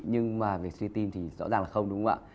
nhưng mà về suy tim thì rõ ràng là không đúng không ạ